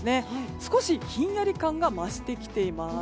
少しひんやり感が増してきています。